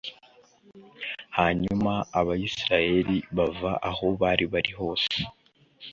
hanyuma abayisraheli bava aho bari bari hose